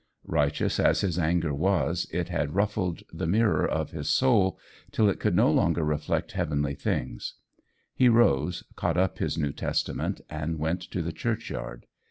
Righteous as his anger was, it had ruffled the mirror of his soul till it could no longer reflect heavenly things. He rose, caught up his New Testament, and went to the church yard.